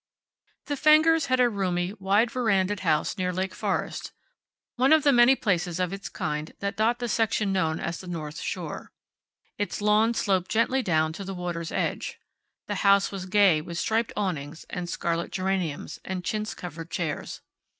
The Fengers had a roomy, wide verandaed house near Lake Forest; one of the many places of its kind that dot the section known as the north shore. Its lawn sloped gently down to the water's edge. The house was gay with striped awnings, and scarlet geraniums, and chintz covered chairs.